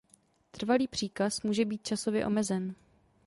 Trvalý příkaz může být časově omezen.